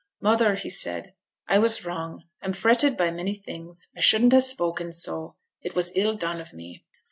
'Mother,' said he, 'I was wrong. I'm fretted by many things. I shouldn't ha' spoken so. It was ill done of me.'